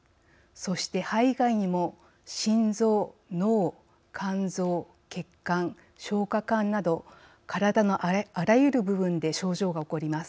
そして、肺以外にも心臓、脳、肝臓血管、消化管など体のあらゆる部分で症状が起こります。